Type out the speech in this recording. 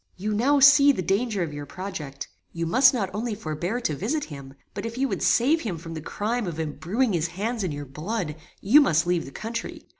"You now see the danger of your project. You must not only forbear to visit him, but if you would save him from the crime of embruing his hands in your blood, you must leave the country.